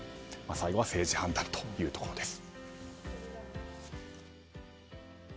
最後は政治判断というところです。